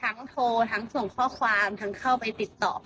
โทรทั้งส่งข้อความทั้งเข้าไปติดต่อ